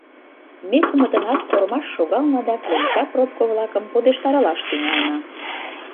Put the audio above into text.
Ме кумытынат кормаш шогална да кленча пробко-влакым пудештарылаш тӱҥална.